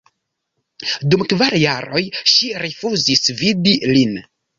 Dum kvar jaroj ŝi rifuzis vidi lin.